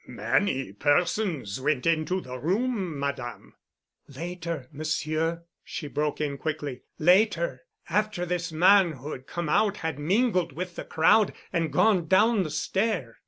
"Many persons went into the room, Madame——" "Later, Monsieur," she broke in quickly. "Later, after this man who had come out had mingled with the crowd and gone down the stair."